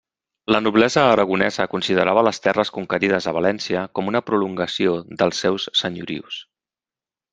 La noblesa aragonesa considerava les terres conquerides a València com una prolongació dels seus senyorius.